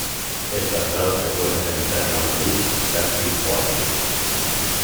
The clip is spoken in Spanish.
El traslado se puede realizar en autobús, taxi o a pie.